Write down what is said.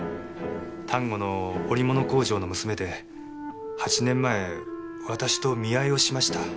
丹後の織物工場の娘で８年前私と見合いをしました。